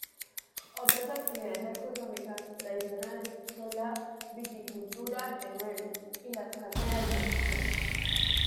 Otras actividades económicas tradicionales son la viticultura de Merlot y las canteras de Gneis.